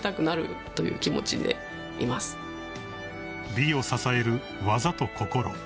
［美を支える技と心］